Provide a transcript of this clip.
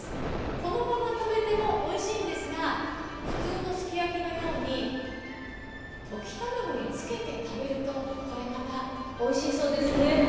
このまま食べてもおいしいんですが、普通のすき焼きのように溶き卵につけて食べるとこれまた、おいしいそうですね。